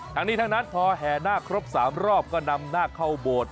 ทั้งนี้ทั้งนั้นพอแห่นาคครบ๓รอบก็นำหน้าเข้าโบสถ์